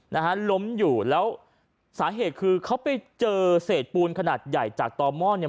นะฮะล้มอยู่แล้วสาเหตุคือเขาไปเจอเศษปูนขนาดใหญ่จากต่อหม้อเนี่ย